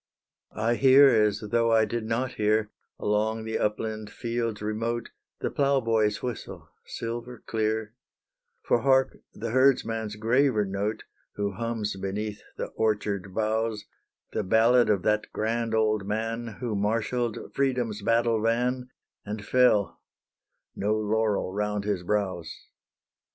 I hear as though I did not hear, Along the upland fields remote, The plough boy's whistle, silver clear: For hark the herds man's graver note, Who hums beneath the orchard boughs, The ballad of that grand old man, Who marshalled freedom's battle van, And fell, no laurel round his brows.